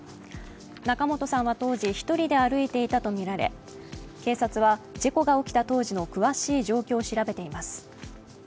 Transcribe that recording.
仲本さんは当時、１人で歩いていたとみられ警察は事故が起きた当時の詳しい状況を調べています。